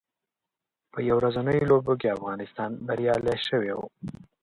په یو ورځنیو لوبو کې افغانستان بریالی شوی و